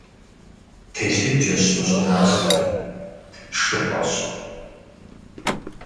Телъыджэщ мы щӀыналъэр, тыншыпӀэщ.